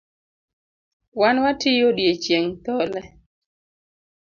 Wan watiyo odiechieng’ thole